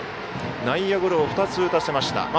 内野ゴロを２つ打たせました。